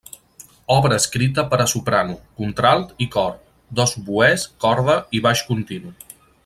Obra escrita per a soprano, contralt i cor; dos oboès, corda i baix continu.